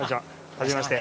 はじめまして。